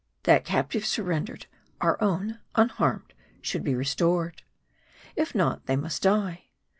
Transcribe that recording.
That captive surrendered, our own, unharmed, should be restored. If not, they must die.